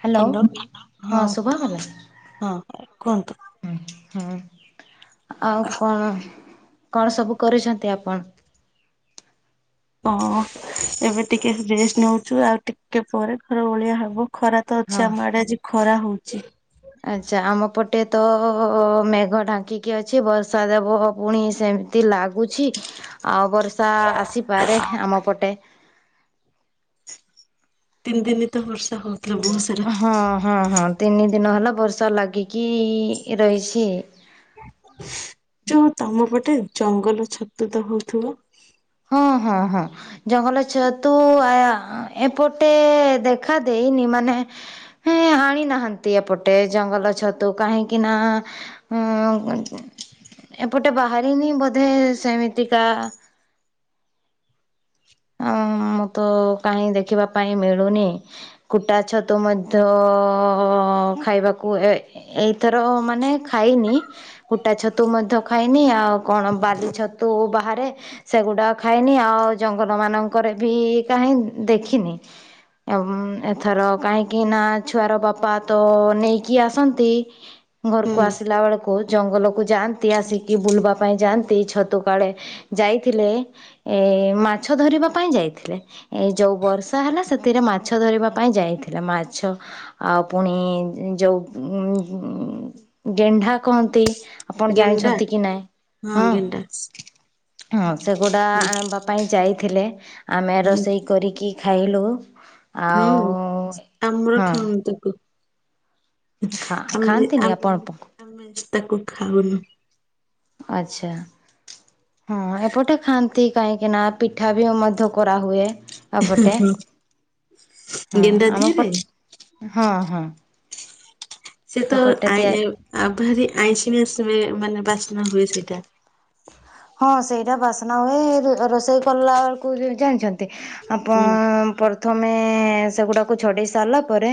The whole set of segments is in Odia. ହ୍ୟାଲୋ ହଁ ଶୁଭା ଗଲା? ହଁ କୁହନ୍ତୁ। ହଁ ହୁଁ ଆଉ କଣ କଣ ସବୁ କରିଛନ୍ତି ଆପଣ? ହଁ ଏବେ ଟିକେ ରେଷ୍ଟ ନଉଛୁ ଆଉ ଟିକେ ପରେ ଘର ଓଳିଆ ହବ ଖରା ତ ହଁ। ଛ ଆମ ଆଡେ ଆଜି ଖରା ହଉଛି। ଆଚ୍ଛା ଆମ ପଟେ ତ ମେଘ ଢାଙ୍କିକି ଅଛି ବର୍ଷା ଦେବ ପୁଣି ସେ ଏତି ଲାଗୁଛି ଆଉ ବର୍ଷା ଆସିପାରେ ଆମ ପଟେ। ତିନି ଦିନ ତ ବର୍ଷା ହଉଥିଲା ବହୁତ ସାରା। ହଁ ହଁ ହଁ ତିନି ଦିନ ହେଲା ବର୍ଷା ଲାଗିକି ରହିଛି। ଯୋଉ ତମ ପଟେ ଜଙ୍ଗଲ ଛତୁ ତ ହଉଥିବ? ହଁ ହଁ ହଁ। ଜଙ୍ଗଲ ଛତୁ ଆ ଏପଟେ ଦେଖା ଦେଇନି ମାନେ ହଁ ଆଣି ନାହାନ୍ତି ଏପଟେ ଜଙ୍ଗଲ ଛତୁ, କାହିଁକି ନା? ହଁ ଏପଟେ ବାହାରିନି ବୋଧେ ସେମିତିକା ମୁଁ ତ କାହିଁ ଦେଖିବା ପାଇଁ ମିଳୁନି। କୁଟା ଛତୁ ମଧ୍ୟ ଖାଇବାକୁ ଏ ଏଇଥର ମାନେ ଖାଇନି। କୁଟା ଛତୁ ମଧ୍ୟ ଖାଇନି ଆଉ କଣ ବାଲି ଛତୁ ବାହାରେ। ସେଗୁଡା ଖାଇନି ଆଉ ଜଙ୍ଗଲ ମାନଙ୍କରେ ବି କାହିଁ ଦେଖିନି। ଏବଂ ଏଥର କାହିଁକି ନା ଛୁଆର ବାପା ତ ନେଇକି ଆସନ୍ତି। ହୁଁ ଘରକୁ ଆସିଲା ବେଳକୁ କଉ ଜଙ୍ଗଲକୁ ଯାଆନ୍ତି ଆସିକି ବୁଲିବା ପାଇଁ ଯାଆନ୍ତି ଛତୁ କାଳେ ଯାଇଥିଲେ। ଏ ମାଛ ଧରିବା ପାଇଁ ଯାଇଥିଲେ। ଏ ଯୋଉ ବର୍ଷା ହେଲା ସେଥିରେ ମାଛ ଧରିବା ପାଇଁ ଯାଇଥିଲା, ମାଛ ଆଉ ପୁଣି ଯଉ [inaudible] ଗେଣ୍ଢା କହନ୍ତି ଆପଣ ଗେଣ୍ଡା ଜାଣିଛନ୍ତି କି ନାଇଁ ହଁ। ହଁ ସେଗୁଡା ଆଣିବା ପାଇଁ ଯାଇଥିଲେ ଆମେ ହୁଁ ରୋଷେଇ କରିକି ଖାଇଲୁ। ହୁଁ ଆଉ ଆମର ହଁ ଖାଉ ତାକୁ ଖା ଆମେ ଖାଆନ୍ତିନି ଆମେ ଆପଣ ଆମେ ତାକୁ ଖାଉନୁ। ଆଚ୍ଛା। ହଁ ଏପଟେ ଖାଆନ୍ତି କାହିଁକି ନା ପିଠା ବି ମଧ୍ୟ କରାହୁୁଏ। ଆପଟେ ହଁ ଗେଣ୍ଡା ଆମ ଧିଅରେ ପଟ୍ ହଁ ହଁ। ସେ ତ ଏପଟେ ତିଆ ଭାରି ଆଇଁଷି ଆସ ମାନେ ବାସ୍ନା ହୁଏ ସେଇଟା। ହଁ ସେଇଟା ବାସ୍ନା ହୁଏ ରୋଷେଇ କଲା ବେଳକୁ ଜାଣିଛନ୍ତି? ଆପଅ ହୁଁ ପର ତମେ ସେ ଗୁଡାକୁ ଛଡେଇ ସାରିଲା ପରେ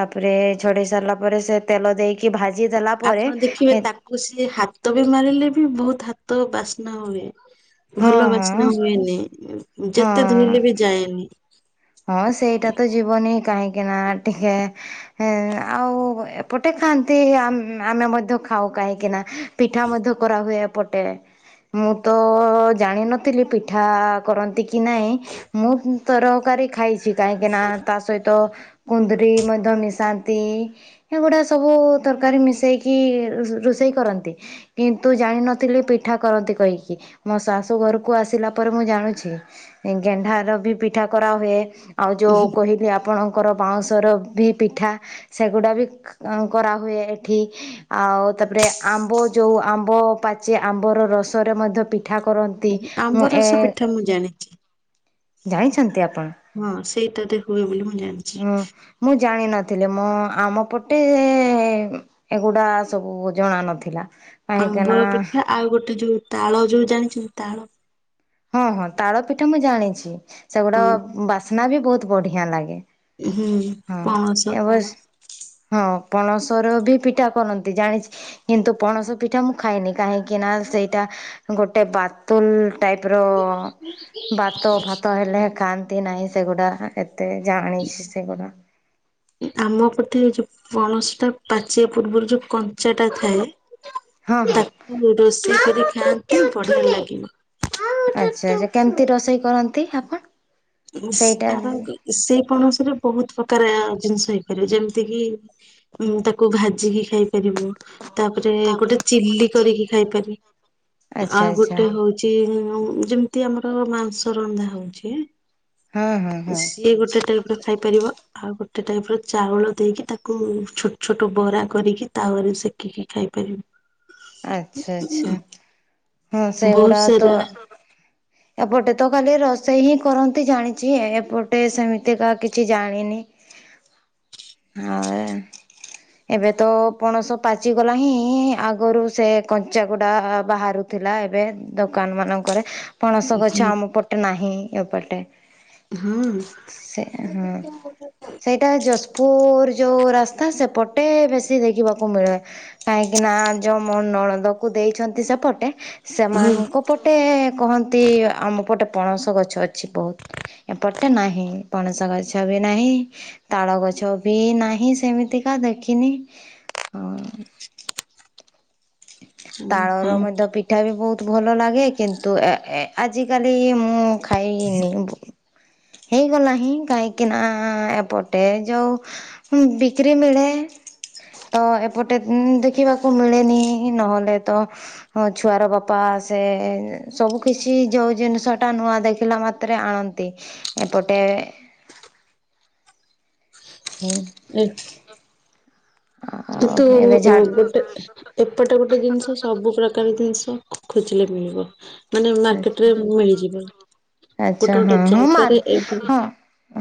ତାପରେ ଛଡେଇ ସାରିଲା ପରେ ସେ ତେଲ ଦେଇକି ଭାଜି ଦେଲା ପରେ ଆପଣ ଦେଖିବେ ତାକୁ ସିଏ ହାତ ବି ମାରିଲେ ବି ବହୁତ ହାତ ବାସ୍ନା ହୁଏ। ହଁ ଭଲ ବାସ୍ନା ହଁ ହୁଏନି ଯେତେ ହଁ ଧୋଇଲେ ବି ଯାଏନି। ହଁ ସେଇଟା ତ ଯିବନି କାହିଁକି ନା ଟିକେ ହଁ ଆଉ ଏପଟେ ଖାଆନ୍ତି ଆମେ ମଧ୍ୟ ଖାଉ କାହିଁକି ନା ପିଠା ମଧ୍ୟ କରାହୁଏ ଏପଟେ। ମୁଁ ତ ଜାଣିନଥିଲି ପିଠା କରନ୍ତି କି ନାଇଁ ମୁଁ ତରକାରୀ ଖାଇଛି, କାହିଁକିନା ତା ସହିତ କୁନ୍ଦରି ମଧ୍ୟ ମିଶାନ୍ତି। ଏଗୁଡ଼ା ସବୁ ତରକାରୀ ମିଶାଇକି ରୋଷେଇ କରନ୍ତି। କିନ୍ତୁ ଜାଣିନଥିଲି ପିଠା କରନ୍ତି କହିକି। ମୋ ଶାଶୁ ଘରକୁ ଆସିଲା ପରେ ମୁଁ ଜାଣୁଛି ଗେଣ୍ଡାର ବି ପିଠା କରାହୁୁଏ। ଆଉ ଯେଉଁ କହିଲି ଆପଣ ତାଙ୍କର ବାଉଁଶର ବି ପିଠା ସେଗୁଡ଼ା ବି କରାହୁଏ ଏଠି। ଆଉ ତାପରେ ଆମ୍ବ ଯୋଉ, ଆମ୍ବ ପାଚେ ଆମ୍ବ ର ରସରେ ମଧ୍ୟ ପିଠା କରନ୍ତି। ମୁଁ ଆମ୍ବ ଏ ରସ ପିଠା ମୁଁ ଜାଣେ। ଜାଣିଛନ୍ତି ଆପଣ? ହଁ, ସେଇଟା ତ ହୁଏ ବୋଲି ମୁଁ ଜାଣିି ହୁଁ ମୁଁ ଜାଣି ନଥିଲି ମଁ ଆମ ପଟେ ଏଗୁଡା ସବୁ ଜଣା ନଥିଲା। କାହିଁକି ନା ଆମ୍ବଳ ପିଠା ଆଉ ଗୋଟେ ଯୋଉ ତାଳ ଯୋଉ ଜାଣିଛନ୍ତି ତାଳ ହଁ ହଁ ତାଳ ପିଠା ମୁଁ ଜାଣିଛି ସେଗୁଡା ହଁ ବାସ୍ନା ବି ବହୁତ ବଢିଆ ଲାଗେ। ହୁଁ ହଁ ପଣସ ଏ ବର୍ଷ ତାଳ। ହଁ ପଣସର ବି ପିଠା କରନ୍ତି ଜାଣିଛି। କିନ୍ତୁ ପଣସ ପିଠା ମୁଁ ଖାଇନି କାହିଁକି ନା ସେଇଟା ଗୋଟେ ବାତୁଲ ଟାଇପ ର ଭାତ ଭାତ ହେଲେ ଖାଆନ୍ତି ନାହିଁ ସେଗୁଡା। ତ ଜାଣିଛି ସେଗୁଡା। ଆମ ପଟେ ଯୋଉ ପଣସ ଟା ପାଚିବା ପୂର୍ବରୁ ଯୋଉ କଞ୍ଚା ଟା ଥାଏ। ହଁ ହଁ ତାକୁ ରୋଷେଇ କରି ଖାଆନ୍ତି ବଢିଆ ଲାଗିବ। ଆଚ୍ଛା ଆଚ୍ଛା କେମିତି ରୋଷେଇ କରନ୍ତି ଆପଣ? ସେଇଟା ସେ ତାର ସେଇ ପଣସୀରେ ବହୁତ ପ୍ରକାର ଜିନିଷ ହେଇପାରିବ ଯେମିତି କିି ଉଁ ତାକୁ ଭାଜିକି ଖାଇ ପାରିବୁ ତାପରେ ଗୋଟେ ଚିଲି କରିକି ଖାଇଥିଲି। ଆଚ୍ଛା ଆଉ ଆଚ୍ଛା ଗୋଟେ ହଉଛି ଯେମିତି ଆମର ମାଂସ ରନ୍ଧା ହଉଛି। ହଁ ହଁ ହଁ। ଇଏ ଗୋଟେ ଟାଇପରେ ଖାଇପାରିବ। ଆଉ ଗୋଟେ ଟାଇପ ର ଚାଉଳ ଦେଇକି ତାକୁ ଛୋଟ ଛୋଟ ବରା କରିକି ତାୱରେ ସେକ। କି କି ଖାଇପାରିବ। ଆଛା, ଆଛା। ହଁ ବହୁତ ସେଗୁଡା ତ। ସାରା ଏପଟେ ତ କାଲି ରୋଷେଇ ହିଁ କରନ୍ତି ଜାଣିଛି ଏପଟେ ସେମିତିକାହା କିଛି ଜାଣିନି। ହଁ [unintelligible] ଏବେ ତ ପଣସ ପାଚିଗଲା ହିଁ ଆଗରୁ ସେ କଞ୍ଚାାଗୁଡା ବାହାରୁଥିଲା ଏବେ ଦୋକାନ ମାନଙ୍କରେ, ପଣସ ଗଛ ଆମ ନାହିଁ ଏପଟେ। ହଁ। ସେ ହୁଁ ସେ ଏଇଟା ଯାଜପୁର ଯେଉଁ ରାସ୍ତା, ସେପଟେ ବେଶୀ ଦେଖିବାକୁ ମିଳେ। କାହିଁକି ନା ଯୋଉ ମ ନଣଦକୁ ଦେଇଛନ୍ତି ସେପଟେ, ସେମାନଙ୍କୁ ପଟେ କହନ୍ତି ଆମ ପଟେ ପଣସ ଗଛ ଅଛି ବହୁତ। ଏପଟେ ନାହିଁ, ପଣସ ଗଛ ବି ନାହିଁ। ତାଳ ଗଛ ବି ନାହିଁ ସେମିତିକା ଦେଖିନି। ହୁଁ ତାଳ ର ହଁ ମଧ୍ୟ ପି ଠା ବି ବହୁତ ଭଲ ଲାଗେ କିନ୍ତୁ ଆଜି କାଲି ମୁଁ ଖାଇନି। ହେଇଗଲା ହିଁ କାହିଁକିନା ଏପଟେ ଯେଉଁ ହଁ ବିକ୍ରି ମିଳେ ତ ଏପଟେ ଦେଖିବାକୁ ମିଳେନି। ନହଲେ ତ ହଁ ଛୁଆର ବାପା ସେ ସବୁ କିଛି, ଯୋଉ ଜିନିଷ ଟା ନୂଆ ଦେଖିଲା ମା ରେ ଆଣନ୍ତି ଏପଟେ [unintelligible] ଆଉ କିନ୍ତୁ ଏବେ ଏବେତ ଏପଟେ ଗୋଟେ ଜିନିଷ ସବୁ ପ୍ରକାର ଜିନିଷ ଖୋଜିଲେ ମିଳିବ। ମାନେ ଝାଟ ମାର୍କେଟରେ ମିଳିଯିବ, ଆଚ୍ଛା ଗୋଟେ ହଁ ଗୋଟେ ହଁ ମାରୁ ଜାଗାରେ- ହଁ।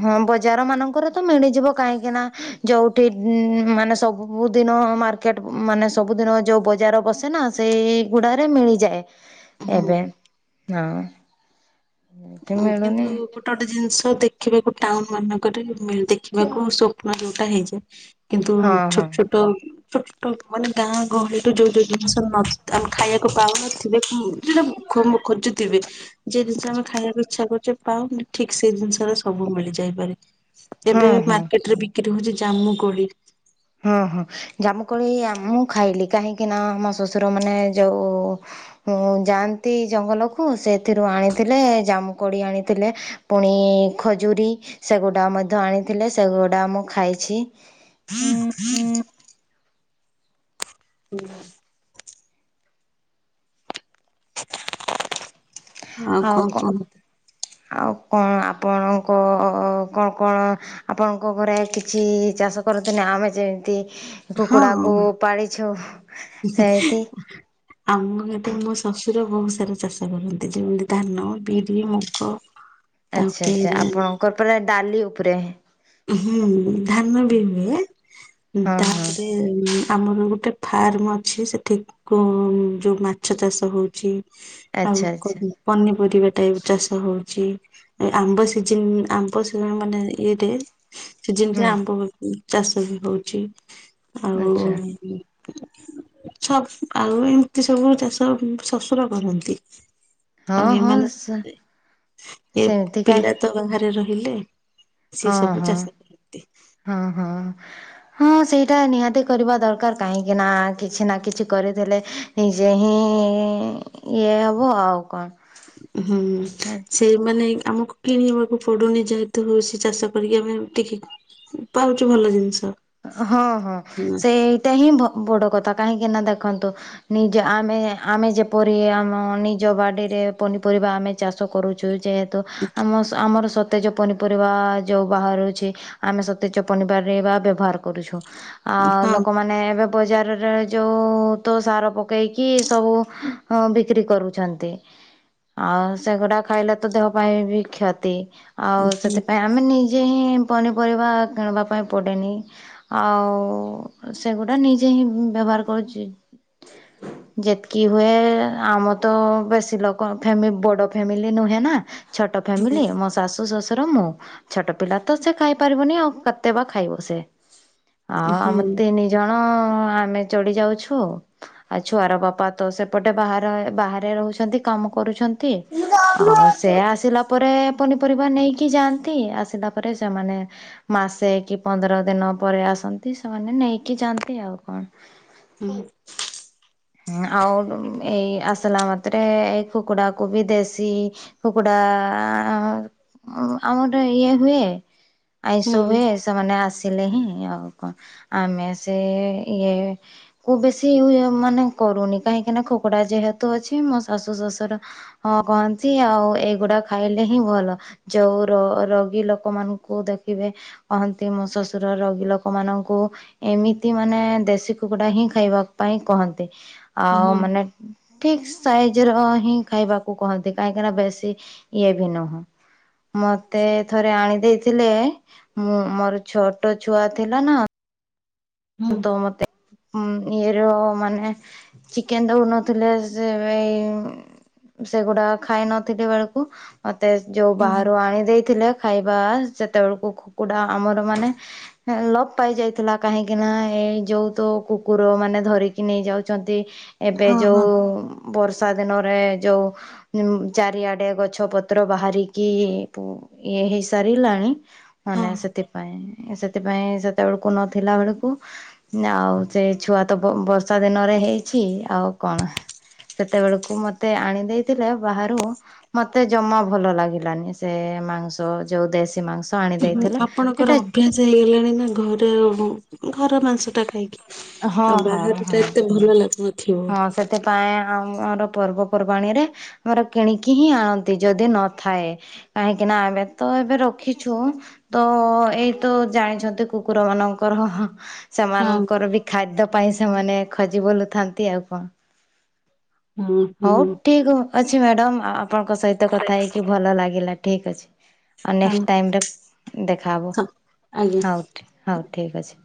ହଁ ବଜାର ମାନଙ୍କରେ ତ ମିଳିଯିବ କାହିଁକି ନା- ଯୋଉଠି ମାନେ ସବୁ ଦିନ ମାର୍କେଟ ମାନେ ସବୁଦିନ ଯୋଉ ବଜାର ବସେ ନା ସେ ଗୁଡାରେ ମିଳିଯାଏ ଏବେ ହୁଁ ହଁ ଅ କିନ୍ତୁ ଗୋଟେ ଗୋଟେ ଜିନିଷ ଦେଖିବାକୁ ଟାଉନ ମାନଙ୍କରେ ମିଳେ, ଦେଖିବାକୁ ସ୍ବପ୍ନ ଯୋଉଟା ହେଇଯାଏ। କିନ୍ତୁ ହଁ ଛୋଟ ହଁ ଛୋଟ ଛୋଟ ମାନେ ଗାଁ ଗହଳିରୁୁ ଯୋଉ ଯୋଉ ଜିନିଷ ଆମେ ଖାଇବାକୁ ପାଉନଥିବେ ଯୋଉ ଟା ମୁଁ ଖୋ ମୋ ଖୋଜୁଥିବି ଯେ ଜିନିଷ ଆମେ ଖାଇଆକ୍ ତା କରୁଚେ ପାଉନି ଠିକ ସେ ଜିନିଷରେ ସବୁ ମିଳିଯାଇପାରେ ହଁ ଏବେ ହଁ। ମାର୍କେଟ୍ ରେ ବି ଏଠୁ ହଉଚି ଜାମୁକୋଳି। ହଁ ହଁ, ଜାମୁକୋଳି ଆ ମୁଁ ଖାଇଲି କାହିଁକି ନା ଆମ ଶ୍ୱଶୁର ମାନେ ଯୋଉ ଉଁ ଯାଆନ୍ତି ଜଙ୍ଗଲକୁୁ ସେଥିରୁ ଆଣିଥିଲେ ଜାମୁ କୋଡି ଆଣିଥିଲେ। ପୁଣି ଖଜୁରୀ ସେଗୁଡ଼ା ମଧ୍ୟ ଆଣିଥିଲେ। ସେଗୁଡ଼ା ମୁଁ ଖାଇଛି। ହଁ ହଁ [unintelligible] ହୁଁ। ଆଉ କଣ କଁ କଣ ଆଉ କଣ ଆପଣଙ୍କ କଣ କଣ? ଆପଣଙ୍କ ଘରେ କିଛି ଚାଷ କରନ୍ତିନି ଆମେ ଯେମତି ହଁ। କୁକୁଡ଼ାକୁ ପାଳିଛୁ ସେମିତି। ଆମ ୟେଥେ ମୋ ଶ୍ୱଶୁର ବହୁତ୍ ସାରା ଚାଷ କରନ୍ତି ଯେମିତି ଧାନ, ବିରି, ମୁଗ। ଆଚ୍ଛା ତାପରେ ଆଚ୍ଛା। ଆପଣଙ୍କର ପୁରା ଡାଲି ଉପରେ। ହୁଁ, ଧାନ ବି ହୁଏ ଉଁ ହଁ ହଁ ତାପରେ ଇମ୍ ଆମର ଗୋଟେ ଫାର୍ମ ଅଛି ସେଠି କୋଉ ଯୋଉ ମାଛ ଚାଷ ହଉଚି ଆଚ୍ଛା ଆଉ ଆଚ୍ଛା କହୁ ପନିପରିବା ଟାଇପ୍ ଚାଷ ହଉଛି। ଏ ଆମ୍ବ ସିଜିନ୍ ଆମ୍ବ ସିଇନ୍ ମାନେ ଇଏଟେ ସିଜିନ୍ ରେ ହୁଁ ଆମ୍ବ ହଉଉନ୍ ଚାଷ ବି ହଉଛି ଆଉ ଆଚ୍ଛା ଛ ଆଉ ଏମିତି ସବୁ ଚାଷ ଶଶୁର କରନ୍ତି। ଆଉ ହଁ ହଁ ଏମାନ ସେ ଏ ସେମିତିକା ପିଲା ତ ବାହାରେ ରହିଲେ। ସେ ହଁ ସବୁ ହଁ ଚାଷ କରନ୍ତି। ହଁ ହଁ। ହଁ ସେଇଟା ନିହାତି କରିବା ଦରକାର କାହିଁକି ନା କିଛି ନା କିଛି କରିଥିଲେ ଏଁ ନିଜେ ହିଁ ଇଏ ହବ ଆଉ କଣ? ହୁଁ ଆଚ୍ଛା। ସେ ମାନେ ଆମକୁ କିଣିବାକୁ ପଡୁନି ଯେହେତୁ ହଉଛି ଚାଷ କରିକି ଆମେ ଟିକେ ପାଉଚୁ ଭଲ ଜିନିଷ। ହଁ ହଁ ସେଇଟା ହିଁ ବଡ କଥା କାହିଁକି ନା ଦେଖନ୍ତୁ ନିଜ ଆମେ ଆମେ ଯେପରି ଆମ ନିଜ ବାଡିରେ ପନିପରିବା ଆମେ ଚାଷ କରୁଛୁ ଯେହେତୁ ଉଁ ଆମ ସ ଆମର ସତେଜ ପନିପରିବା ଯୋଉ ବାହାରୁଛି ଆମେ ସତେଜ ପନିପରିବା ବ୍ୟବହାର କରୁଛୁ। ଆଉ ହୁଁ ଲୋକମାନେ ଏବେ ବଜାରରେ ଯୋଉ ଉ ତ ସାର ପକେଇକି ସବୁ ଅଁ ବିକ୍ରି କରୁଛନ୍ତି। ଆଉ ସେଗୁଡା ଖାଇଲେ ତ ଦେହ ପାଇଁ ବି କ୍ଷତି। ଆଉ ସେଥିପାଇଁ ଆମେ ନିଜେ ହିଁ ପନିପରିବା କିଣବା ପାଇଁ ପଡ଼େନି। ଆଉ ସେଗୁଡା ନିଜେ ହିଁ ବ୍ୟବହାର କରୁଛି। ଯେତକି ହୁଏ ଆମ ତ ବେଶୀ ଲୋକ ଫ୍ୟାମି ବଡ ଫ୍ୟାମିଲି ନୁହେଁ ନା। ଛୋଟ ହୁଁ ଫ୍ୟାମିଲି ମ ଶାଶୁ ଶଶୁ ର ମୁଁ। ଛୋଟ ପିଲା ତ ସେ ଖାଇ ପାରିବନି ଆଉ କେତେ ବା ଖାଇବ ସେ। ଆଉ ଆମେ ହୁଁ। ତିନି ଜଣ ଆମେ ଚଡ଼ି ଯାଉଛୁ। ଆଜ୍ ଛୁଆର ବାପା ତ ସେପଟେ ବାହାରେ ବାହାରେ ରହୁଛନ୍ତି। କାମ କରୁଛନ୍ ତି ହୁଁ ହୁଁ ଆଉ ସେ ଆସିଲା ପରେ ପନିପରିବା ନେଇକି ଯାଆନ୍ତି। ଆସିଲା ପରେ ସେମାନେ ମାସେ କି ପନ୍ଦର ଦିନ ପରେ ଆସନ୍ତି ସେମାନେ ନେଇକି ଯାଆନ୍ତି। ଆଉ କଣ? ଉ ହୁଁ। ହୁଁ ଆଉ ଉମ୍ ଏଇ ଆସେଲା ମାତ୍ରେ ଏଇ କୁକୁଡାକୁ ବି ଦେଶୀ କୁକୁଡା। ଆମରେ ଇଏ ହୁଏ। ହୁଁ ଆଇଁଷ ହୁଁ ହୁଏ। ସେମାନେ ଆସିଲେ ହିଁ ଆଉ କଣ ଆମେ ସେ ଇଏ କୁ ବେଶୀ ମାନେ କରୁନି କାହିଁକି ନା ଖୁକୁଡା ଯେହେତୁ ଅଛି, ମୋ ଶାଶୁ ଶଶୁର ହଁ କହନ୍ତି ଆଉ ଏଇଗୁଡା ଖାଇଲେ ହିଁ ଭଲ। ଯୋଉ ର-ରୋଗୀ ଲୋକମାନଙ୍କୁ ଦେଖିବେ କହନ୍ତି ମୋ ଶଶୁର ରୋଗୀ ଲୋକ ମାନଙ୍କୁ ଏମିତି ମାନେ ଦେଶୀ କୁକୁଡା ହିଁ ଖାଇବା ପାଇଁ କହନ୍ତି ଆଉ ମାନେ ଠିକ୍ ସାଇଜ୍ ର ହିଁ ଖାଇବାକୁ କହନ୍ତି କାହିଁକିନା ବେଶୀ ଇଏ ବି ନୁହଁ। ମତେ ଥରେ ଆଣି ଦେଇଥିଲେ ମୁଁ ମୋର ଛୋଟ ଛୁଆ ଥିଲା ନା। ତ ମତେ ଇଏର ମାନେ ଚିକେନ ଦଉନଥିଲେ ସେ ଏବେ ଉଁ ସେଗୁଡା ଖାଇନଥିଲି ବେଳକୁ ମତେ ଯୋଉ ବାହାରୁ ଆଣି ଦେଇ ଥିଲେ ଖାଇବା ସେତେବେଳକୁ କୁକୁଡ଼ା ଆମର ମାନେ ଲୋପ ପାଇଯାଇଥିଲା କାହିଁକି କିନା ଏଇ ଯୋଉ ତ କୁକୁର ମାନେ ଧରିକି ନେଇଯାଉଛନ୍ତି ଏବେ ହଁ ହଁ ହଁ ଯୋଉଁ ବର୍ଷା ଦିନରେ ଯଉ ଉ ଚାରିଆଡେ ଗଛ ପତ୍ର ବାହାରିକି ପୁ ଇଏ ହେଇ ସାରିଲାଣି ମାନେ ସେଥିପାଇଁ ସେଥିପାଇଁ ସେତେବେଳକୁ ନଥିଲା ବେଳ କୁ ଆଉ ସେ ଛୁଆ ତ ବ-ବର୍ଷା ଦିନରେ ହେଇଛି ଆଉ କଣ? ସେତେବେଳକୁ ମତେ ଆଣି ଦେଇେଇଥିଲେ ବାହାରୁ ମତେ ଜମା ଭଲ ଲାଗିଲାନି ସେ ମାଂସ ଯୋଉ ଦେଶୀ ମାଂସ। ଆଣି ହୁଁ ଦେଇଥିଲା ଆପଣଙ୍କର ସେଟା ଅଭ୍ୟାସ ହେଇଗଲାଣି ନା ଘରେ ଘର ମାଂସ ଟା ଖାଇକି ହଁ ଆଉ ହଁ ବାହାର ହଁ। ଟା ଏତେ ଭଲ ଲାଗୁନଥିବ। [unintelligible] ସେଥିପାଇଁ ଆମର ପର୍ବପର୍ବାଣିରେ- ଆମର କିଣିକି ହିଁ ଆଣନ୍ତି ଯଦି ନଥାଏ। କାହିଁକିନା ଆମେ ତ ଏବେ ରଖିଛୁ। ତ ଏଇତ ଜାଣିଛନ୍ତି କୁକୁର ମାନଙ୍କର ହଃ ହଁ ସେମାନଙ୍କର ବି ଖାଦ୍ୟ ପାଇଁ ସେମାନେ ଖୋଜି ବୋଲୁଥାନ୍ତି ଆଉ କଣ। ହଁ ହଉ ହଁ ଠିକ ଅଛି ମ୍ୟାଡାମ ଆପଣଙ୍କ ସହିତ କଥା ହେଇକି ଭଲ ଲାଗିଲା ଠିକ ଅଛି। ଆଉ ନେକ୍ସ ଟାଇମରେ ଦେଖାହବ ସ- ଆଜ୍ଞା। ହଉ ହଉ ଠିକ ଅଛି।